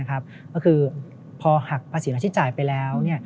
ก็คือพอหักภาษีรายที่จ่ายไปแล้ว